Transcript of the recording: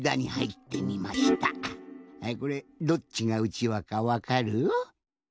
はいこれどっちがうちわかわかる？